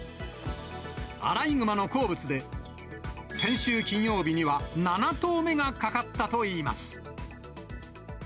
アライグマの好物で、先週金曜日には７頭目がかかったといいます。